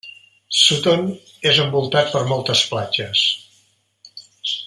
Sutton és envoltat per moltes platges.